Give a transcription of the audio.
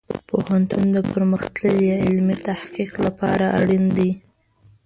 پوهنتون د پرمختللې علمي تحقیق لپاره اړین دی.